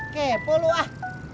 kepo lu ah